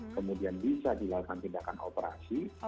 kemudian bisa dilakukan tindakan operasi